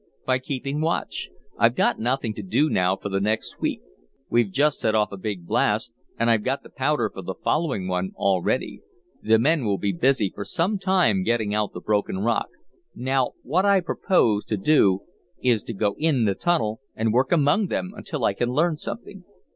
"By keeping watch. I've got nothing to do now for the next week. We've just set off a big blast, and I've got the powder for the following one all ready. The men will be busy for some time getting out the broken rock. Now what I propose to do is to go in the tunnel and work among them until I can learn something.